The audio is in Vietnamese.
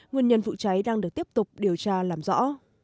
nguyên nhân vụ cháy đang được tiếp tục điều tra làm rõ